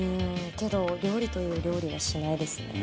けど料理という料理はしないですね。